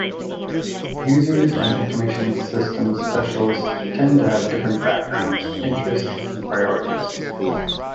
Users and information systems specialists tend to have different backgrounds, interests, and priorities.